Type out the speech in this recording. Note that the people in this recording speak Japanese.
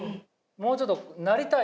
もうちょっとなりたい